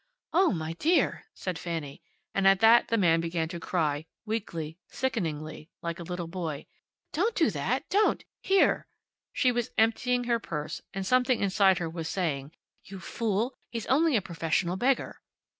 "Oh my dear!" said Fanny. And at that the man began to cry, weakly, sickeningly, like a little boy. "Don't do that! Don't! Here." She was emptying her purse, and something inside her was saying, "You fool, he's only a professional beggar."